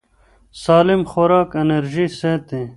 سالم خوراک انرژي ساتي.